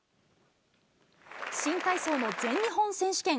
新体操の全日本選手権。